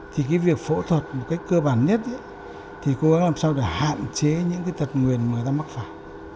thì cái việc phẫu thuật một cách cơ bản nhất thì cố gắng làm sao để hạn chế những tật nguyền mà người ta mắc phải